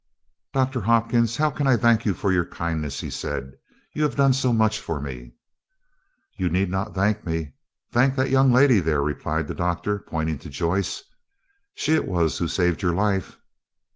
"Doctor Hopkins, how can I thank you for your kindness?" he said; "you have done so much for me." "You need not thank me, thank that young lady there," replied the Doctor, pointing to Joyce. "She it was who saved your life."